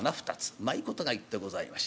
うまいことが言ってございます。